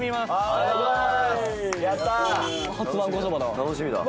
楽しみだわ。